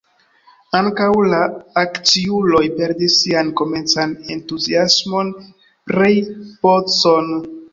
Ankaŭ la akciuloj perdis sian komencan entuziasmon pri Bodson.